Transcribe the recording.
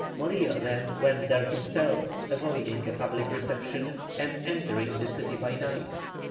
Morillo then went there himself, avoiding a public reception and entering the city by night.